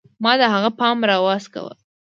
ما د هغه پام راوڅکاوه